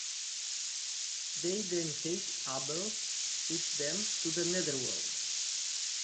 They then take Abel with them to the netherworld.